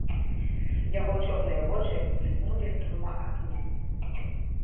Яго чорныя вочы бліснулі двума агнямі.